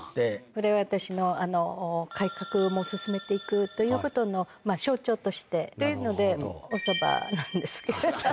これは私の改革も進めていくということの象徴として。というのでおそばなんですけど。